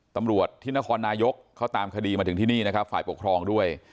ตำรวจที่นครนายกเขาตามคดีมาถึงที่นี่นะครับฝ่ายปกครองด้วย